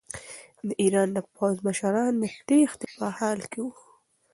د ایران د پوځ مشران د تېښتې په حال کې وو.